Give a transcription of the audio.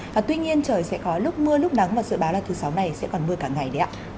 và tuy nhiên trời sẽ có lúc mưa lúc nắng và dự báo là thứ sáu này sẽ còn mưa cả ngày đấy ạ